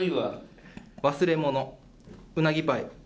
「忘れ物」「うなぎパイ」。